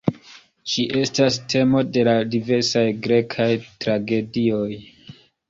Estas temo de la diversaj grekaj tragedioj.